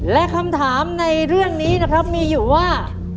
และคำถามในเรื่องนี้นะครับมีอยู่ว่า